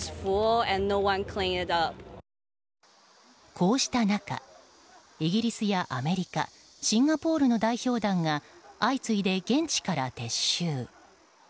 こうした中イギリスやアメリカシンガポールの代表団が相次いで現地から撤収。